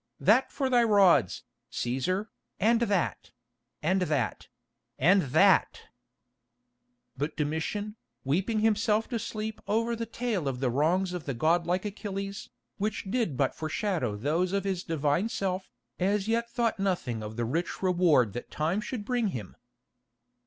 That for thy rods, Cæsar, and that—and that—and that——!" But Domitian, weeping himself to sleep over the tale of the wrongs of the god like Achilles, which did but foreshadow those of his divine self, as yet thought nothing of the rich reward that time should bring him.